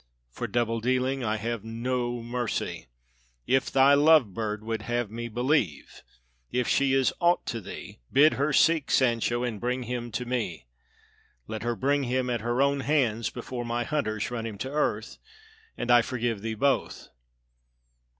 For double dealing I have no mercy. If thy love bird would have me believe, if she is ought to thee, bid her seek Sancho and bring him to me. Let her bring him at her own hands before my hunters run him to earth, and I forgive thee both.